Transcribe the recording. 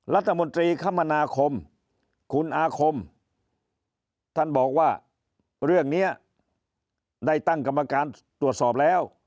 รัฐมนตรีคมนาคมคุณอาคมท่านบอกว่าเรื่องนี้ได้ตั้งกรรมการตรวจสอบแล้ว